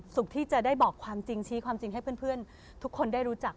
ที่จะได้บอกความจริงชี้ความจริงให้เพื่อนทุกคนได้รู้จัก